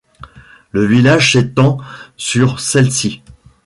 Le village s'étend sur celle-ci.